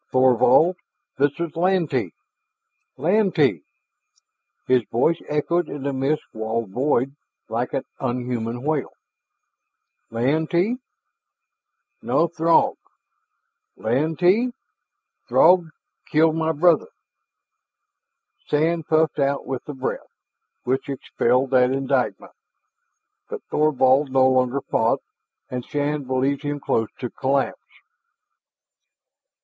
"Thorvald! This is Lantee Lantee " His name echoed in the mist walled void like an unhuman wail. "Lantee ? No, Throg! Lantee Throg killed my brother!" Sand puffed out with the breath, which expelled that indictment. But Thorvald no longer fought, and Shann believed him close to collapse.